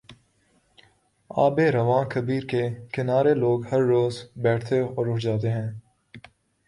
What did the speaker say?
آب روان کبیرکے کنارے لوگ ہر روز بیٹھتے اور اٹھ جاتے ہیں۔